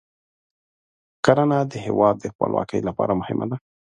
کرنه د هیواد د خپلواکۍ لپاره مهمه ده.